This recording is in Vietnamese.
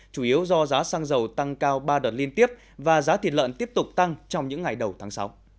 chủ yếu do giá xăng dầu tăng cao ba đợt liên tiếp và giá thịt lợn tiếp tục tăng trong những ngày đầu tháng sáu